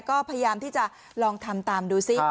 ก็พยายามที่จะลองทำตามดูซิ